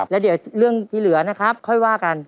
แล้วเดี๋ยวเรื่องที่เหลือนะครับค่อยว่ากัน